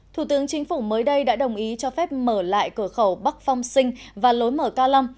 thủ tướng chính phủ mới đây đã đồng ý cho phép mở lại cửa khẩu bắc phong sinh và lối mở ca long